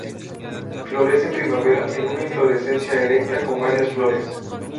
Florece en primavera en una inflorescencia erecta con varias flores.